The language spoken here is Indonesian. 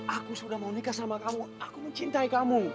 aku sudah mau menikah sama kamu aku mencintai kamu